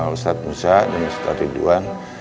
ustadz musa dan ustadz ridwan